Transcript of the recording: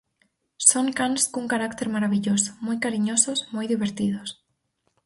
Son cans cun carácter marabilloso, moi cariñosos, moi divertidos.